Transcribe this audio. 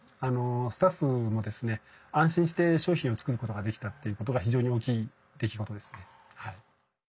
スタッフもですね安心して商品を作ることができたということが非常に大きい出来事ですね。